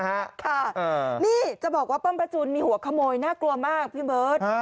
ค่ะนี่จะบอกว่าป้อมประจูนมีหัวขโมยน่ากลัวมากพี่เบิร์ต